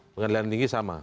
pengadilan tinggi sama